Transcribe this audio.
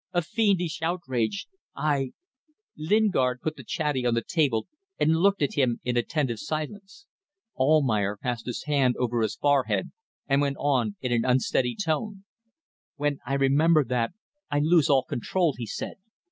A fiendish outrage. I ..." Lingard put the chatty on the table and looked at him in attentive silence. Almayer passed his hand over his forehead and went on in an unsteady tone: "When I remember that, I lose all control," he said.